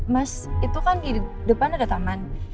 mas itu kan di depan ada taman